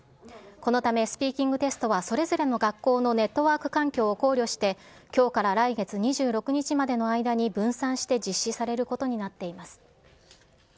このためスピーキングテストはそれぞれの学校のネットワーク環境を考慮して、きょうから来月２６日までの間に分散して実施されることになっています。